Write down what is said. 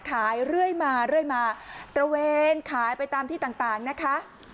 เรื่อยมาเรื่อยมาตระเวนขายไปตามที่ต่างนะคะ